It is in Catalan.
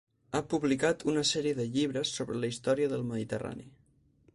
Ha publicat una sèrie de llibres sobre la història del Mediterrani.